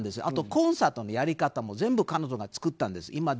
あと、コンサートのやり方も全部彼女が作ったんですよ。